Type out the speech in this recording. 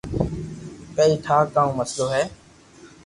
ڪئي ٺا ڪاو مسلو ھي